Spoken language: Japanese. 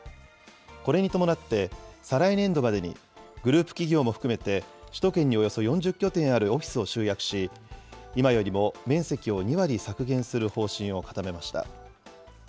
これに伴って、再来年度までにグループ企業も含めて首都圏におよそ４０拠点あるオフィスを集約し、今よりも面積を２割削減する方針を固めました。